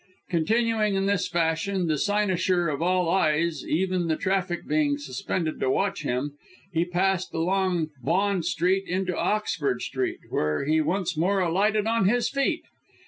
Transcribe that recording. "Continuing in this fashion, the cynosure of all eyes even the traffic being suspended to watch him he passed along Bond Street into Oxford Street, where he once more alighted on his feet.